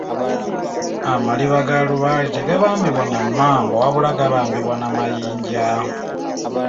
Amaliba ga Lubaale tegabambibwa na mmambo wabula gabambibwa na mayinja.